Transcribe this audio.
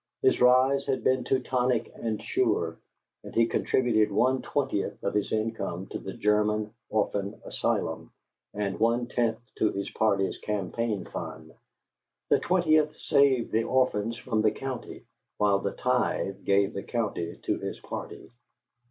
His rise had been Teutonic and sure; and he contributed one twentieth of his income to the German Orphan Asylum and one tenth to his party's campaign fund. The twentieth saved the orphans from the county, while the tithe gave the county to his party.